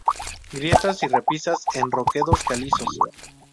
Grietas y repisas en roquedos calizos.